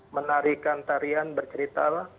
menarikan tarian bercerita